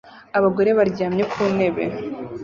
Abagore baryamye ku ntebe